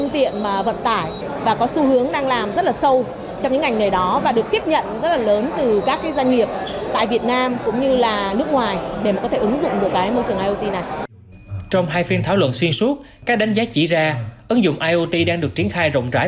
trong hai phiên thảo luận xuyên suốt các đánh giá chỉ ra ứng dụng iot đang được triển khai rộng rãi